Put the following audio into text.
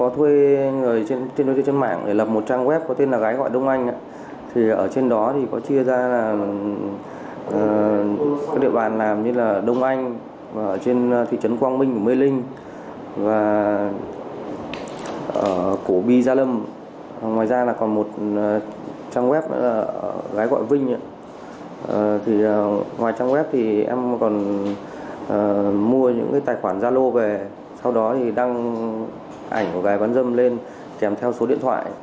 trang web gái gọi vinh ngoài trang web thì em còn mua những tài khoản gia lô về sau đó thì đăng ảnh của gái bán dâm lên kèm theo số điện thoại